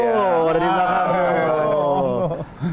tuh ada di belakang